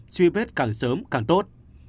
truy vết càng sớm càng tốt